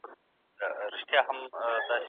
د شکر ناروغان باید هر ساعت حرکت وکړي.